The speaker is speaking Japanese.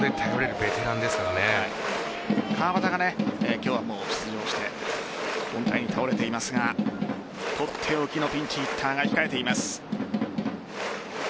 川端が今日は出場して凡退に倒れていますがとっておきのピンチヒッターが控えています。